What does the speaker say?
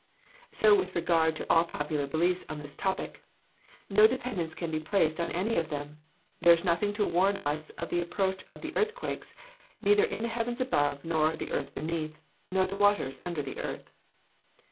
So with regard to all popular beliefs on this topic no dependence can be placed on any of them. There is nothing to warn us of the approach of the earthquakes, neither in the heavens above, nor the earth beneath, nor the waters under the earth.